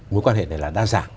mối quan hệ này là đa dạng